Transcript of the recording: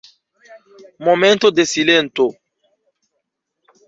Momento de silento!